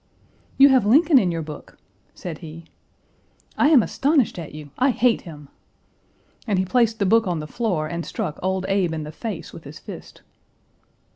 "You have Lincoln in your book!" said he. "I am astonished at you. I hate him!" And he placed the book on the floor and struck Old Abe in the face with his fist.